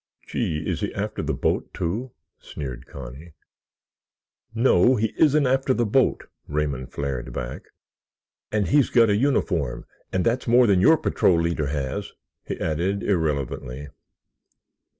"Gee, is he after the boat, too?" sneered Connie. "No, he isn't after the boat!" Raymond flared back; "and he's got a uniform and that's more than your patrol leader has!" he added irrelevantly.